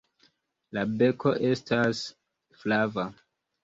La beko estas flava.